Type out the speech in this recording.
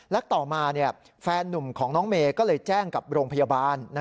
และต่อมาแฟนนุ่มของน้องเมย์ก็เลยแจ้งกับโรงพยาบาล